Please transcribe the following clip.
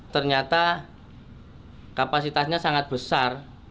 ternyata kapasitasnya sangat besar